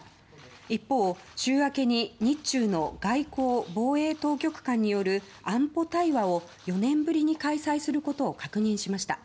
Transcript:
一方、週明けに日中の外交・防衛当局間による安保対話を４年ぶりに開催することを確認しました。